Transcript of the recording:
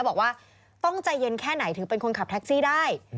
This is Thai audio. บอกว่าต้องใจเย็นแค่ไหนถึงเป็นคนขับแท็กซี่ได้